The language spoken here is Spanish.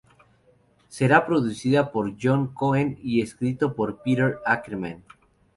Será producida por John Cohen y escrito por Peter Ackerman.